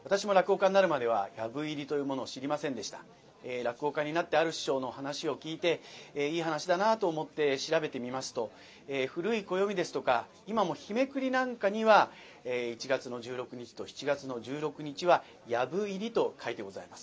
落語家になってある師匠の噺を聴いていい噺だなと思って調べてみますと古い暦ですとか今も日めくりなんかには１月の１６日と７月の１６日は「藪入り」と書いてございます。